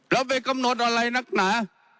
แล้วไปกำหนดอะไรนักหนา